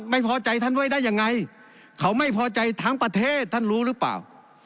ไม่พอใจท่านไว้ได้ยังไงเขาไม่พอใจทั้งประเทศท่านรู้หรือเปล่า